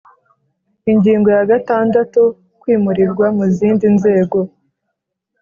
Ingingo ya gatandatu Kwimurirwa mu zindi nzego